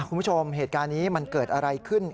คุณผู้ชมเหตุการณ์นี้มันเกิดอะไรขึ้น